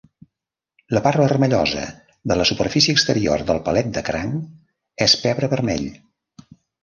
La part vermellosa de la superfície exterior del palet de cranc és pebre vermell.